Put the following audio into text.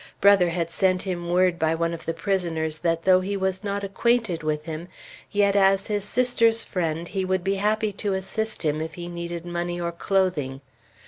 Brother had sent him word by one of the prisoners that though he was not acquainted with him, yet as his sisters' friend he would be happy to assist him if he needed money or clothing.